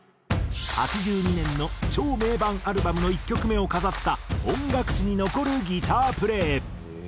１９８２年の超名盤アルバムの１曲目を飾った音楽史に残るギタープレイ。